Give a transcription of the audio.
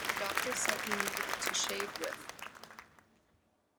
But the Doctor said he needed it to shave with.